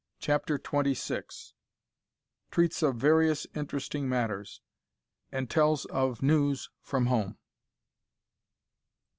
CHAPTER TWENTY SIX. TREATS OF VARIOUS INTERESTING MATTERS, AND TELLS OF NEWS FROM HOME.